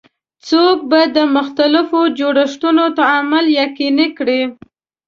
څوک به د مختلفو جوړښتونو تعامل یقیني کړي؟